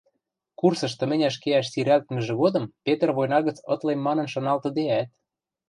Курсыш тыменяш кеӓш сирӓлтмӹжӹ годым Петр война гӹц ытлем манын шаналтыдеӓт